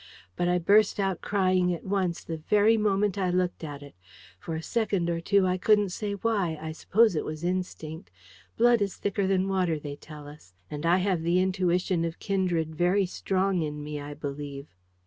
But I burst out crying at once the very moment I looked at it. For a second or two, I couldn't say why: I suppose it was instinct. Blood is thicker than water, they tell us; and I have the intuition of kindred very strong in me, I believe.